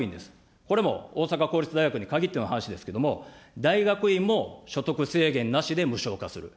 これも大阪公立大学に限っての話ですけれども、大学院も所得制限なしで無償化する。